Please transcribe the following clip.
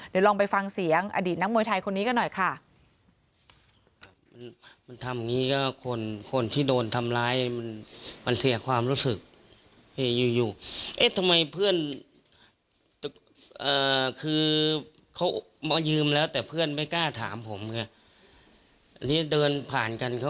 เดี๋ยวลองไปฟังเสียงอดีตนักมวยไทยคนนี้กันหน่อยค่ะ